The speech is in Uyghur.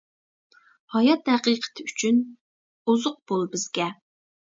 ھايات ھەقىقىتى ئۈچۈن، ئوزۇق بول بىزگە.